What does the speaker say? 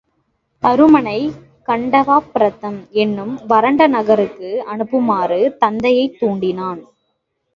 தருமனைக் காண்டவப் பிரத்தம் என்னும் வறண்ட நகருக்கு அனுப்புமாறு தந்தையைத் துண்டினான்.